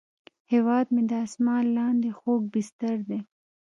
هیواد مې د اسمان لاندې خوږ بستر دی